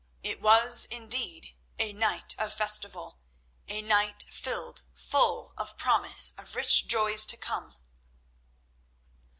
It was indeed a night of festival, a night filled full of promise of rich joys to come.